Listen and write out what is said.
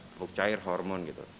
pupuk cair hormon gitu